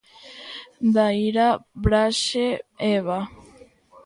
Daira Braxe, Eva.